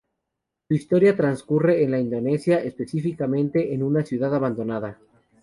Su historia transcurre en Indonesia, específicamente en una ciudad abandonada.